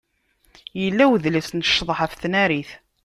Yella udlis n ccḍeḥ ɣef tnarit.